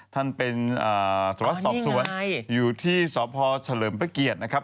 ท่านเป็นสวัสดิสอบสวนอยู่ที่สพเฉลิมพระเกียรตินะครับ